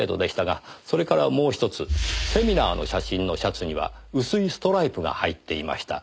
セミナーの写真のシャツには薄いストライプが入っていました。